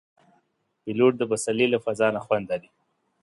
پیلوټ د پسرلي له فضا نه خوند اخلي.